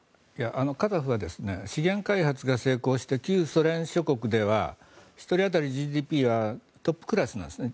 カザフは資源開発が成功して旧ソ連諸国では１人当たりＧＤＰはトップクラスなんですね。